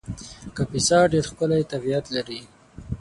کاپیسا ډېر ښکلی طبیعت لري